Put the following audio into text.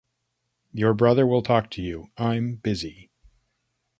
Your brother will talk to you; I'm busy.